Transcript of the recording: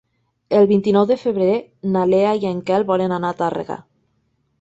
El vint-i-nou de febrer na Lea i en Quel volen anar a Tàrrega.